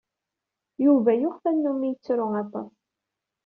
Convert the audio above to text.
Yuba yuɣ tanumi yettru aṭas.